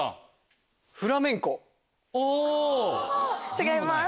違います。